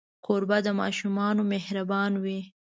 کوربه د ماشومانو مهربان وي.